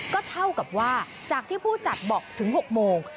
ก็เท่ากับว่าจากที่ผู้จัดบอกถึง๖โมง